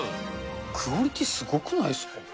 クオリティーすごくないですか？